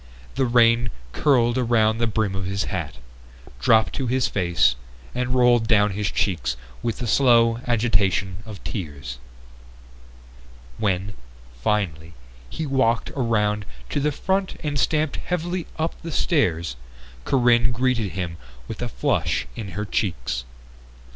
The rain curled around the brim of his hat, dropped to his face, and rolled down his cheeks with the slow agitation of tears. When, finally, he walked around to the front and stamped heavily up the stairs, Corinne greeted him with a flush in her cheeks.